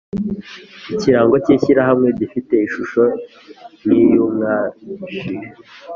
Ikirango cy’ ishyirahamwe gifite ishusho nkiy’umwashi